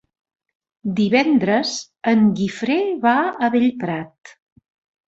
Divendres en Guifré va a Bellprat.